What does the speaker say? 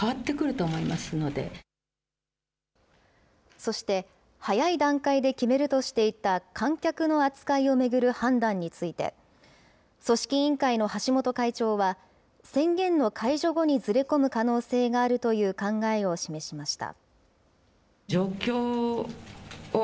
そして、早い段階で決めるとしていた観客の扱いを巡る判断について、組織委員会の橋本会長は、宣言の解除後にずれ込む可能性があるという考えを示しました。